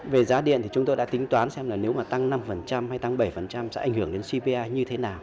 về giá điện thì chúng tôi đã tính toán xem là nếu mà tăng năm hay tăng bảy sẽ ảnh hưởng đến cpi như thế nào